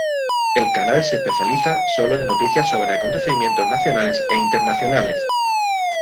El canal se especializa sólo en noticias sobre acontecimientos nacionales e internacionales.